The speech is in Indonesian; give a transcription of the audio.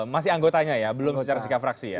masih anggotanya ya belum secara sikap fraksi ya